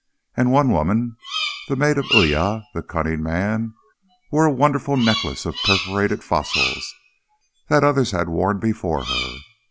And one woman, the mate of Uya the Cunning Man, wore a wonderful necklace of perforated fossils that others had worn before her.